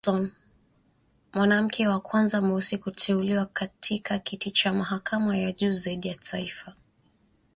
Jackson, mwanamke wa kwanza mweusi kuteuliwa katika kiti cha mahakama ya juu zaidi ya taifa.